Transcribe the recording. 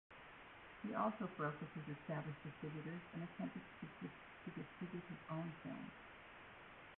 He also broke with his established distributors and attempted to distribute his own films.